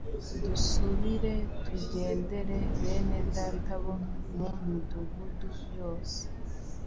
Dusubire tugenderere bene Data bo mu midugudu yose,